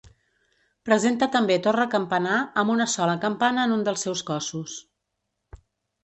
Presenta també torre campanar amb una sola campana en un dels seus cossos.